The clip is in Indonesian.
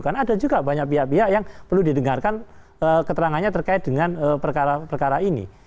kan ada juga banyak pihak pihak yang perlu didengarkan keterangannya terkait dengan perkara perkara ini